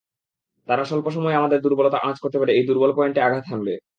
তারা স্বল্প সময়ে আমাদের দুর্বলতা আঁচ করতে পেরে এই দুর্বল পয়েন্টে আঘাত হানবে।